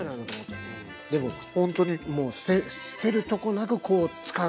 でもほんとに捨てるとこなく使う。